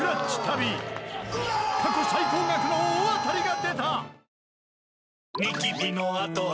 過去最高額の大当たりが出た